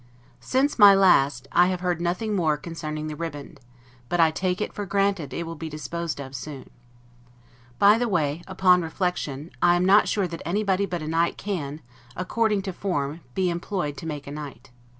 Since my last, I have heard nothing more concerning the ribband; but I take it for granted it will be disposed of soon. By the way, upon reflection, I am not sure that anybody but a knight can, according to form, be employed to make a knight.